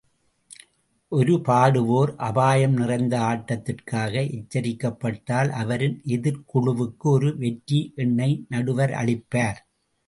ஒரு பாடுவோர் அபாயம் நிறைந்த ஆட்டத்திற்காக எச்சரிக்கப்பட்டால் அவரின் எதிர்க்குழுவுக்கு ஒரு வெற்றி எண்ணை நடுவர் அளிப்பார்.